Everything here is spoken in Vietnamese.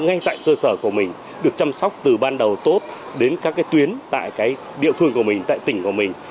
ngay tại cơ sở của mình được chăm sóc từ ban đầu tốt đến các cái tuyến tại địa phương của mình tại tỉnh của mình